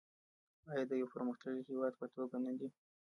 آیا د یو پرمختللي هیواد په توګه نه دی؟